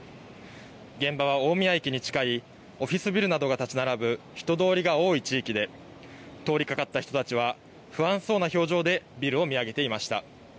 現場は大宮駅に近い、オフィスビルなどが建ち並ぶ人通りが多い地域で、通りかかった人たちは不安そうな表情でビルを見上げていました。